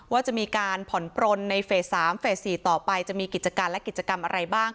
ว่าจะมีการผ่อนปลนในเฟส๓เฟส๔ต่อไปจะมีกิจการและกิจกรรมอะไรบ้าง